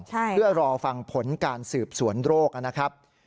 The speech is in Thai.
เพื่อรอฟังผลการสืบสวนโรคนะครับ